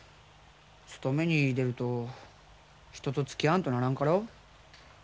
勤めに出ると人とつきあわんとならんかろ。